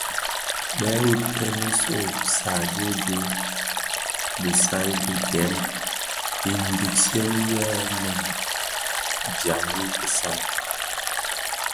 Bëdhub këň nso lè sadioodioo bisai bị dèm i ndigsièn yè nèm nèm dyan i kisaï.